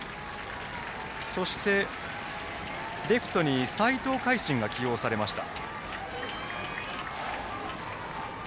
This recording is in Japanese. そしてレフトに齊藤開心が起用されました。